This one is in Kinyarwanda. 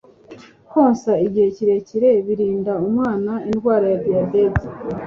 Konsa igihe kirekire birinda umwana indwara ya diyabete